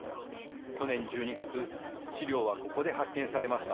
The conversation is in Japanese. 去年１２月、資料はここで発見されました。